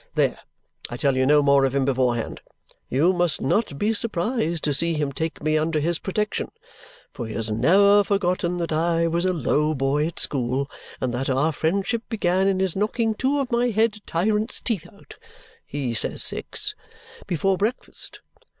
There! I tell you no more of him beforehand. You must not be surprised to see him take me under his protection, for he has never forgotten that I was a low boy at school and that our friendship began in his knocking two of my head tyrant's teeth out (he says six) before breakfast.